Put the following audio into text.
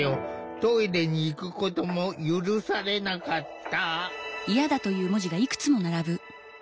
トイレに行くことも許されなかった。